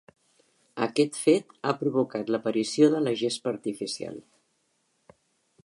Aquest fet ha provocat l'aparició de la gespa artificial.